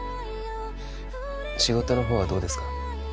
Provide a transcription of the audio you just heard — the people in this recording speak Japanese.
仕事のほうはどうですか？